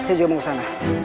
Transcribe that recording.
saya juga mau kesana